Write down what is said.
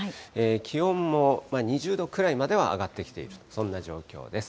気温も２０度くらいまでは上がってきていると、そんな状況です。